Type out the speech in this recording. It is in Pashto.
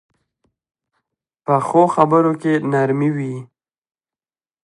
پخو خبرو کې نرمي وي